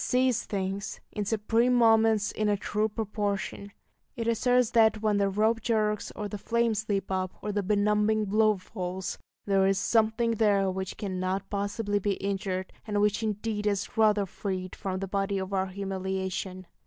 It sees things, in supreme moments, in a true proportion. It asserts that when the rope jerks, or the flames leap up, or the benumbing blow falls, there is something there which cannot possibly be injured, and which indeed is rather freed from the body of our humiliation.